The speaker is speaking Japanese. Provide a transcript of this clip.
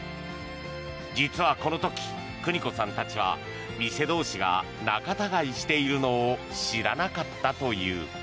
実はこの時、くにこさんたちは店同士が仲たがいしているのを知らなかったという。